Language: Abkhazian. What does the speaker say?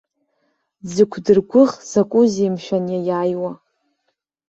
Дзықәдыргәыӷ закәызеи, мшәан, иаиааиуа?